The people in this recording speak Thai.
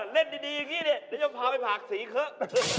เล่นดีอย่างนี้เดี๋ยวจะพาไปผากศีรีเคิ๊ก